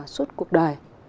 suốt cuộc đời